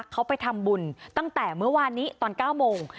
เขาไปทำบุญตั้งแต่เมื่อวานนี้ตอน๙โมง